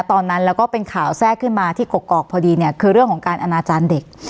ตอนนั้นแล้วก็เป็นข่าวแทรกขึ้นมาที่กกอกพอดีเนี่ยคือเรื่องของการอนาจารย์เด็ก